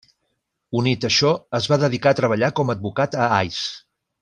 Unit a això es va dedicar a treballar com advocat a Ais.